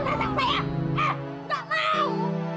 ibu ini benar benar jatuh